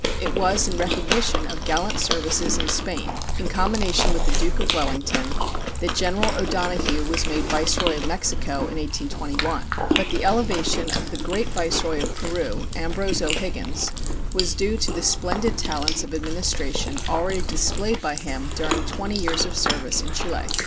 It was in recognition of gallant services in Spain, in combination with the Duke of Wellington, that General O'Donoghue was made viceroy of Mexico in 1821, but the elevation of the great viceroy of Peru, Ambrose O'Higgins, was due to the splendid talents of administration already displayed by him during twenty years of service in Chile.